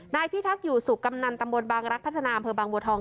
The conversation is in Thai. นายพี่ทักอยู่สุขกำนันตรรมบนบางรักพัฒนามเพอร์บังบัวทอง